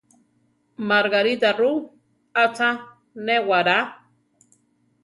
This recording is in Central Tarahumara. Margarita ru, atza néwará.